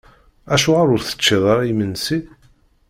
Acuɣer ur teččiḍ ara imensi?